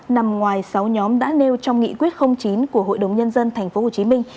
nằm ngoài sáu nhóm đã nêu trong nghị quyết chín của hội đồng nhân dân thành phố hồ chí minh